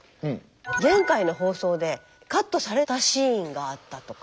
前回の放送でカットされたシーンがあったとか。